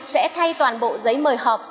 sẽ thay toàn bộ giấy mời họp